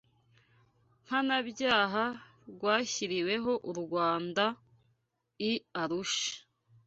Mpanabyaha rwashyiriweho u Rwanda i Arusha